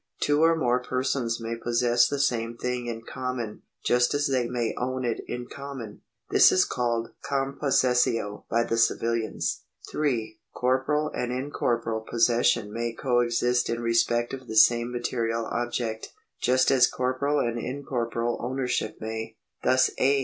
Two or more persons may possess the same thing in common, just as they may own it in common. This is called compossessio by the civilians. 3. Corporeal and incorporeal possession may coexist in respect of the same material object, just as corporeal and incorporeal ownership may. Thus A.